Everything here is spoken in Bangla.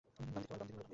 বাম দিকে মারো।